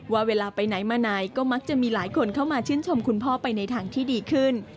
เวลาไปไหนมาไหนก็มักจะมีหลายคนเข้ามาชื่นชมคุณพ่อไปในทางที่ดีขึ้น